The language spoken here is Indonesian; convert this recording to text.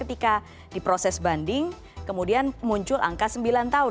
ketika di proses banding kemudian muncul angka sembilan tahun